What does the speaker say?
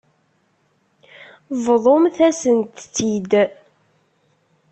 Bḍumt-asent-tt-id.